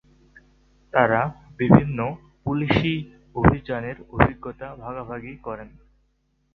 তারা বিভিন্ন পুলিশি অভিযানের অভিজ্ঞতা ভাগাভাগি করে।